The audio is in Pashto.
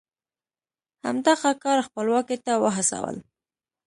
همدغه کار خپلواکۍ ته وهڅول.